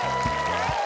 ・最高！